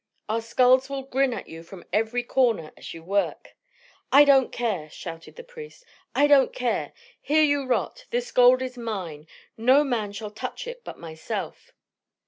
"Our skulls will grin at you from every corner as you work " "I don't care!" shouted the priest. "I don't care! Here you rot. This gold is mine. No man shall touch it but myself."